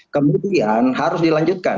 kemudian harus dilanjutkan